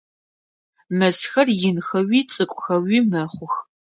Мэзхэр инхэуи цӏыкӏухэуи мэхъух.